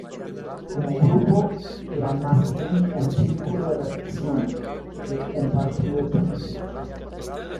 Como grupo, eran más bien un círculo de reflexión que un partido político.